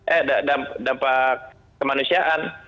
eh dampak kemanusiaan